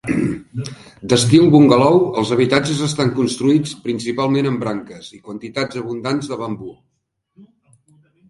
D'estil bungalou, els habitatges estan construïts principalment amb branques i quantitats abundants de bambú.